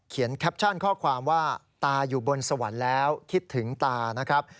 แคปชั่นข้อความว่าตาอยู่บนสวรรค์แล้วคิดถึงตานะครับ